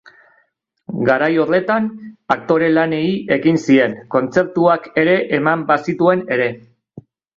Garai horretan, aktore-lanei ekin zien, kontzertuak ere eman bazituen ere.